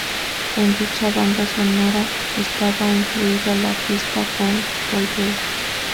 En dicha banda sonora estaba incluida la pista "Bound to You".